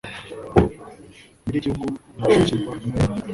Nyiri igihugu yashakirwa n'inda ye,